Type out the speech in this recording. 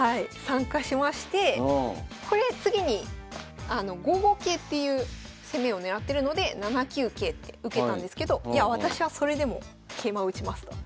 参加しましてこれ次に５五桂っていう攻めを狙ってるので７九桂って受けたんですけど私はそれでも桂馬打ちますと。